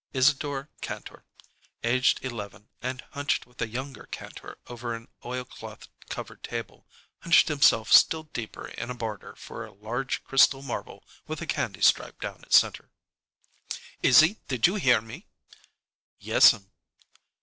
Isadore Kantor, aged eleven and hunched with a younger Kantor over an oilcloth covered table, hunched himself still deeper in a barter for a large crystal marble with a candy stripe down its center. "Izzie, did you hear me?" "Yes'm."